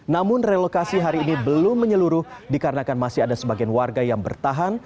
namun relokasi hari ini belum menyeluruh dikarenakan masih ada sebagian warga yang bertahan